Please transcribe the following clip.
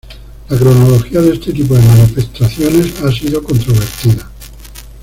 La cronología de este tipo de manifestaciones ha sido controvertida.